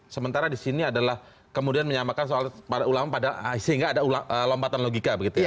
sementara di sini adalah kemudian menyamakan soal para ulama sehingga ada lompatan logika begitu ya